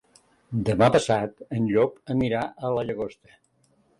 Demà passat en Llop anirà a la Llagosta.